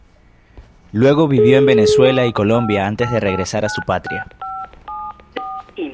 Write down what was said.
Luego vivió en Venezuela y Colombia antes de regresar a su patria.